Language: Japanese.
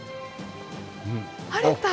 晴れた。